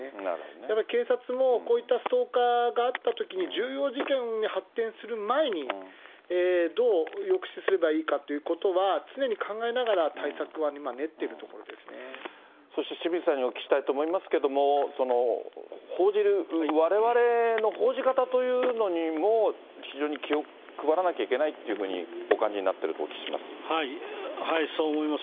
やっぱり警察もこういったストーカーがあったときに、重要事件に発展する前に、どう抑止すればいいかってことは、常に考えながら対策は今、そして清水さんにお聞きしたいと思いますけれども、報じるわれわれの報じ方というのにも非常に気を配らなきゃいけないというふうにお感じになってるとお聞きします。